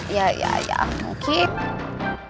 ya ya ya mungkin